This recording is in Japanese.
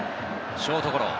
ショートゴロ。